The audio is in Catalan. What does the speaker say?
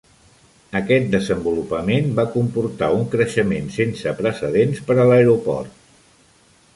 Aquest desenvolupament va comportar un creixement sense precedents per a l'aeroport.